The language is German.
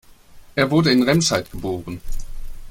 Er wurde in Remscheid geboren